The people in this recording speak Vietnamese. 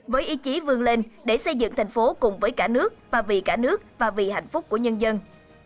với ý chí vương lên để xây dựng thành phố cùng với cả nước và vì cả nước và vì hạnh phúc của nhân dân